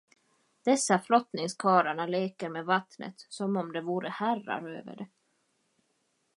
Dessa flottningskarlarna leker med vattnet, som om de vore herrar över det.